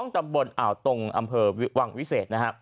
ตำบลอ่าวตรงอำเภอวังวิเศษนะฮะ